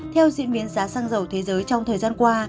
theo diễn biến giá xăng dầu thế giới trong thời gian qua